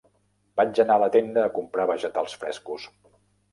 Vaig anar a la tenda a comprar vegetals frescos.